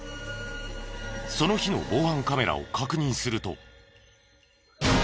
その日の防犯カメラを確認すると。